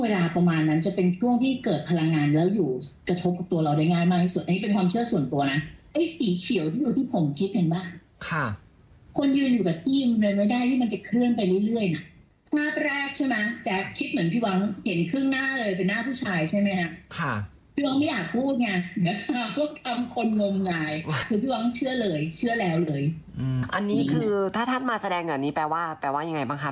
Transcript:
ถ้าถัดมาแสดงเหนือนี้แปลว่าอย่างไรบ้างคะ